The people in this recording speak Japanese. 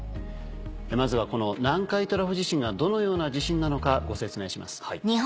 まずはこの南海トラフ地震がどのような地震なのかご説明します。